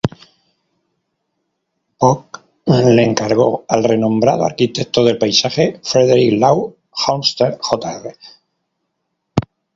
Bok le encargó al renombrado arquitecto del paisaje Frederick Law Olmsted, Jr.